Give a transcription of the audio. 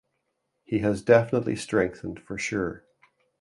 He has definitely strengthened for sure.